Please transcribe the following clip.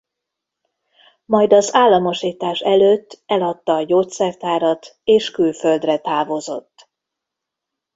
Majd az államosítás előtt eladta a gyógyszertárat és külföldre távozott.